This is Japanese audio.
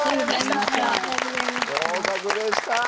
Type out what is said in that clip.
合格でした。